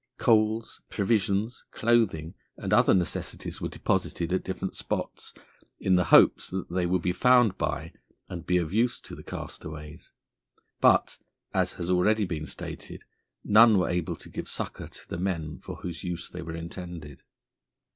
Coals, provisions, clothing, and other necessaries were deposited at different spots in the hopes that they would be found by, and be of use to, the castaways. But, as has already been stated, none were able to give succour to the men for whose use they were intended.